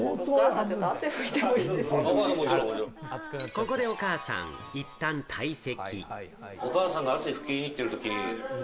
ここでお母さん、いったん退席。